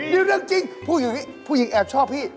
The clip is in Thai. นี่เรื่องจริงผู้หญิงแอบชอบพี่